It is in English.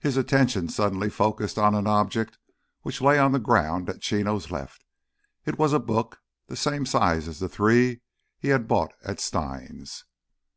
His attention suddenly focused on an object which lay on the ground at Chino's left. It was a book, the same size as the three he had bought at Stein's!